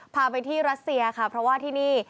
พาไปที่รัสเซียค่ะเพราะว่าที่นี่